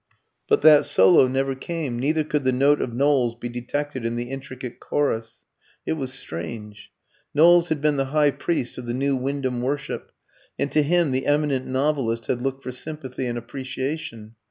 But that solo never came, neither could the note of Knowles be detected in the intricate chorus. It was strange. Knowles had been the high priest of the new Wyndham worship, and to him the eminent novelist had looked for sympathy and appreciation.